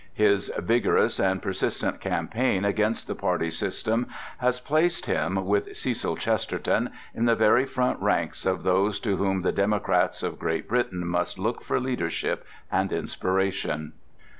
His vigorous and persistent campaign against the party system has placed him, with Cecil Chesterton, in the very front ranks of those to whom the democrats of Great Britain must look for leadership and inspiration."